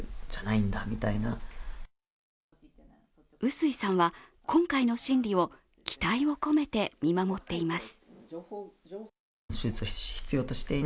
臼井さんは今回の審理を期待を込めて見守っています。